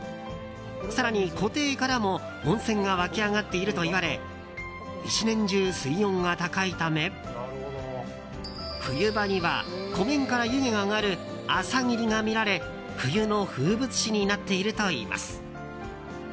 更に湖底からも温泉が湧き上がっているといわれ１年中、水温が高いため冬場には湖面から湯気が上がる朝霧が見られ、冬の風物詩になっているといいます。